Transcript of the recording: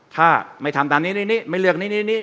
ถ้าไม่ทำอย่างนี้ไม่เลือกอย่างนี้